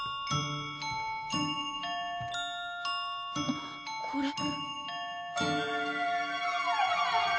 あっこれ。